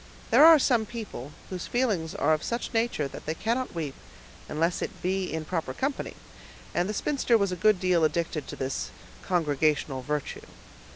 There are some people, whose feelings are of such nature that they cannot weep unless it be in proper company, and the spinster was a good deal addicted to this congregational virtue.